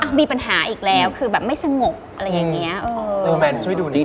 เดี๋ยวมีปัญหาอีกแล้วคือแบบไม่สงบอะไรอย่างนี้